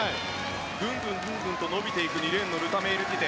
グングンと伸びていく２レーンのルタ・メイルティテ。